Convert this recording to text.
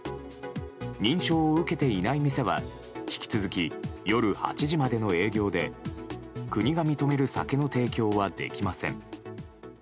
認証を受けていない店は引き続き夜８時までの営業で国が認める酒の提供はできません。